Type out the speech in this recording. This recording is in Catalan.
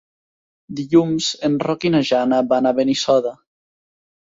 Dilluns en Roc i na Jana van a Benissoda.